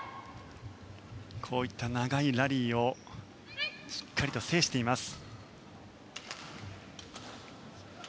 こういった長いラリーをしっかりと制しています。